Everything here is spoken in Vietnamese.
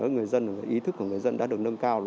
người dân và ý thức của người dân đã được nâng cao